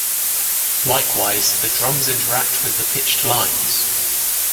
Likewise, the drums interact with the pitched lines.